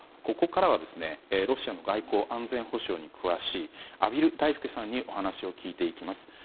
ここからは、ロシア外交安全保障に詳しい畔蒜泰助さんにお話を聞いていきます。